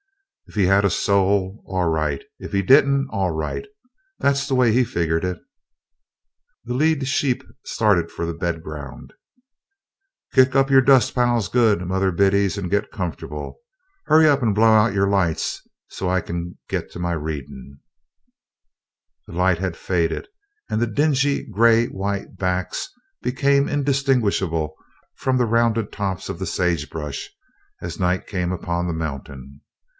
If he had a soul, all right; if he didn't, all right; that's the way he figgered it. The lead sheep started for the bed ground. "Kick up your dust piles good, Mother Biddies, and git comfortable. Hurry up and blow out your lights so I can git to my readin'." The light had faded, and the dingy gray white backs became indistinguishable from the rounded tops of the sagebrush, as night came upon the mountain.